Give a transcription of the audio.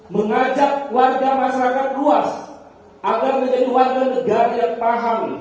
mengajak warga masyarakat luas agar menjadi warga negara yang paham